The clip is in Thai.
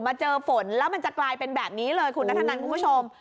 เจอฝนแล้วมันจะกลายเป็นแบบนี้เลยคุณนัทธนันคุณผู้ชม